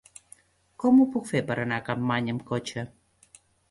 Com ho puc fer per anar a Capmany amb cotxe?